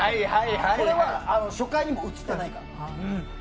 それは初回に映ってないから。